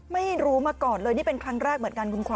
ไม่รู้มาก่อนเลยนี่เป็นครั้งแรกเหมือนกันคุณขวัญ